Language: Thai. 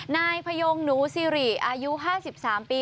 นายพยงหนูซิริอายุ๕๓ปี